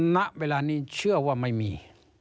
ณเวลานี้เชื่อว่าไม่มี